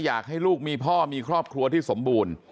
อยากให้ลูกมีพ่อมีครอบครัวที่สมบูรณ์